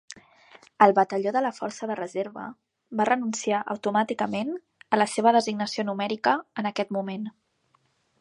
El batalló de la força de reserva va renunciar automàticament a la seva designació numèrica en aquest moment.